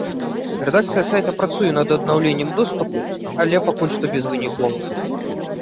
Рэдакцыя сайта працуе над аднаўленнем доступу, але пакуль што безвынікова.